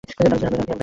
তারা ছিলেন আট ভাই।